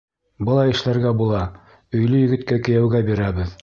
Былай эшләргә була... өйлө егеткә кейәүгә бирәбеҙ.